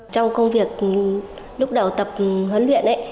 trong công việc lúc đầu tập huấn luyện